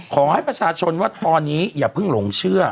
ขอให้ประชาชนว่าตอนนี้อย่าเพิ่งหลงเชื่อ